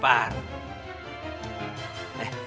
jangan marah marah gitu